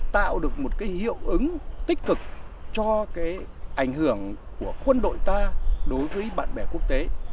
tạo được một cái hiệu ứng tích cực cho cái ảnh hưởng của quân đội ta đối với bạn bè quốc tế